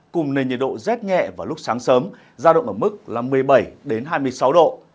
cùng nền nhiệt độ rét nhẹ vào lúc sáng sớm giao động ở mức một mươi bảy hai mươi sáu độ